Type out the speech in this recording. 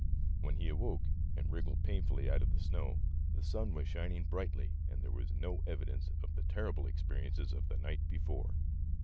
When he awoke and wriggled painfully out of the snow, the sun was shining brightly, and there was no evidence of the terrible experiences 126 THE LITTLE FORESTERS. of the night before.